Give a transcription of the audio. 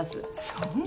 そんな。